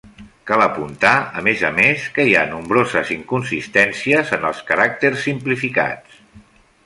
Cal apuntar, a més a més, que hi ha nombroses inconsistències en els caràcters simplificats.